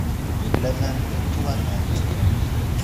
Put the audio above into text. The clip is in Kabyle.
Laman wwin-t waman.